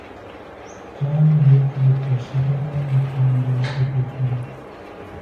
Jean lived with her secretary and friend Dorothy Goodwin.